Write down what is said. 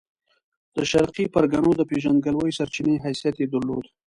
د شرقي پرګنو د پېژندګلوۍ سرچینې حیثیت یې درلود.